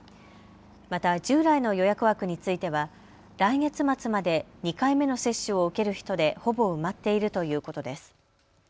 また従来の予約枠については来月末まで２回目の接種を受ける人でほぼ埋まっているということです。